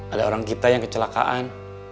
ada orang kita yang kecelakaan